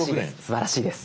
すばらしいです